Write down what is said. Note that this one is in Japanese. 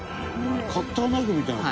「カッターナイフみたいに」